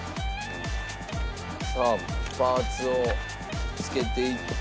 さあパーツを付けていって。